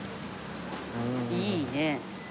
いいね。